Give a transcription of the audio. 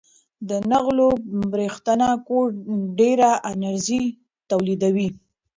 د نغلو برېښنا کوټ ډېره انرژي تولیدوي.